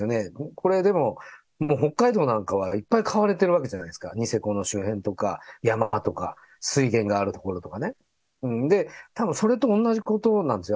これ、でももう北海道なんかはいっぱい買われてるわけじゃないですか、ニセコの周辺とか、山とか水源がある所と金、たぶんそれと同じことなんですよ。